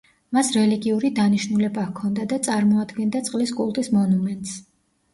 მას რელიგიური, დანიშნულება ჰქონდა და წარმოადგენდა წყლის კულტის მონუმენტს.